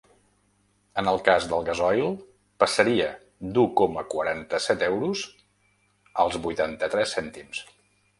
En el cas del gasoil, passaria d’u coma quaranta-set euros als vuitanta-tres cèntims.